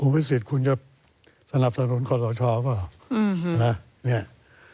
อภิสิษฐ์คุณจะสนับสนุนกรตชหรือเปล่า